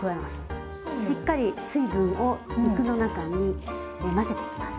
しっかり水分を肉の中に混ぜていきます。